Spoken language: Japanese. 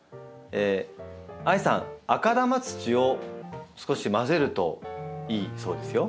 あいさん赤玉土を少し混ぜるといいそうですよ。